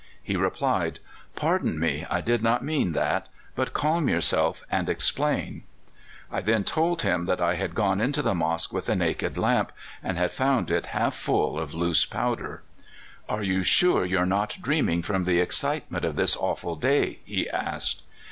"He replied: 'Pardon me. I did not mean that. But calm yourself and explain.' "I then told him that I had gone into the mosque with a naked lamp, and had found it half full of loose gunpowder. "'Are you sure you're not dreaming from the excitement of this awful day?' he asked.